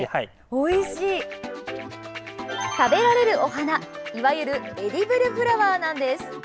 食べられるお花、いわゆるエディブルフラワーなんです。